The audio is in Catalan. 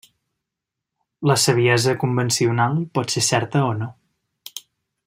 La saviesa convencional pot ser certa o no.